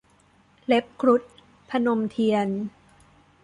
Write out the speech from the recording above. เล็บครุฑ - พนมเทียน